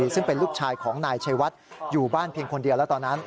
ซึ่งเป็นลูกชายของนายชัยวัดอยู่บ้านเพียงคนเดียวแล้วตอนนั้น